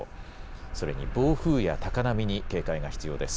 それに暴風や高波に警戒が必要です。